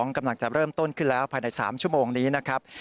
กำลังจะเริ่มต้นขึ้นแล้วภายใน๓ชั่วโมงนี้นะครับ